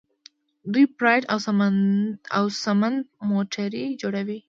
دوی پراید او سمند موټرې جوړوي.